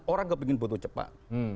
orang nggak ingin butuh cepat